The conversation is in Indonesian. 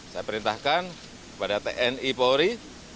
saya perintahkan kepada tni polri